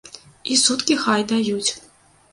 І суткі хай даюць.